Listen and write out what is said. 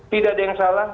tidak ada yang salah